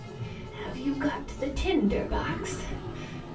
"" Have you got the tinder box?